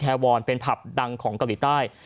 จากการไปเที่ยวอิทาวัณเป็นผับดังของเกาหลีใต้